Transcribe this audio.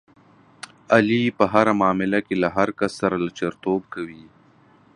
علي په هره معامله کې له هر کس سره لچرتوب کوي.